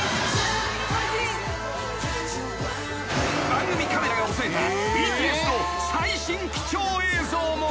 ［番組カメラが押さえたＢＴＳの最新貴重映像も］